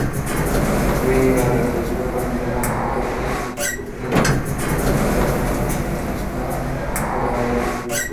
Incluye la reducción continua de costes, sin estar confinada sólo a ello.